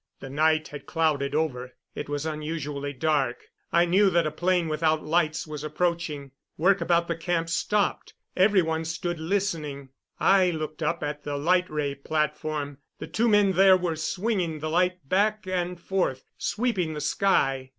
The night had clouded over; it was unusually dark. I knew that a plane without lights was approaching. Work about the camp stopped; every one stood listening. I looked up at the light ray platform. The two men there were swinging the light back and forth, sweeping the sky.